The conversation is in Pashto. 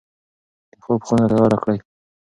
د خوب خونه تیاره کړئ.